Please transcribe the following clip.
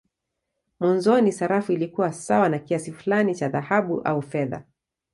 Mwanzoni sarafu ilikuwa sawa na kiasi fulani cha dhahabu au fedha.